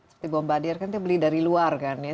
seperti bombadier kan kita beli dari luar kan ya